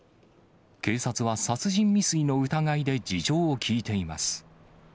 警察は殺人未遂の疑いで事情を聴いています。